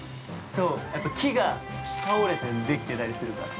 ◆そう、木が倒れてできてたりするから。